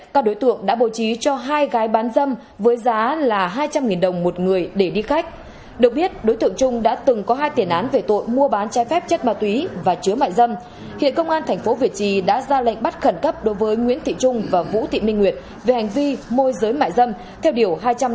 các bạn hãy đăng ký kênh để ủng hộ kênh của chúng mình nhé